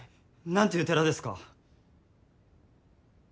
何ていう寺ですか？